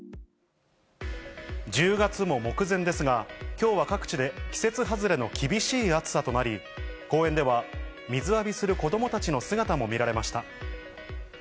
１０月も目前ですが、きょうは各地で季節外れの厳しい暑さとなり、公園では水浴びする子どもたちの姿も見られました。